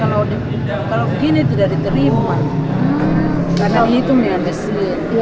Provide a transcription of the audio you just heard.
sama kalau gini tidak diterima karena ini tuh dengan besi